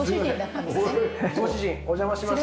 ご主人お邪魔します。